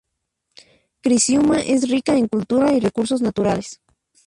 Criciúma es rica en cultura y recursos naturales.